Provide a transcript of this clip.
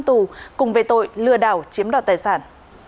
tù cùng về tội lừa đảo chiếm đoạt tài sản